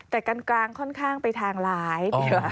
แต่กลางค่อนข้างไปทางไลฟ์